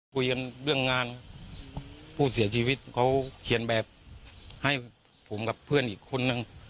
คุยกันเรื่องงานผู้เสียชีวิตเขาเขียนแบบให้ผมกับเพื่อนอีกคนนึง